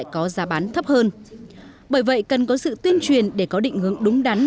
có giá bán thấp hơn bởi vậy cần có sự tuyên truyền để có định hướng đúng đắn